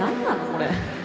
これ。